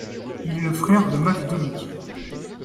Il est le frère de Max Doumic.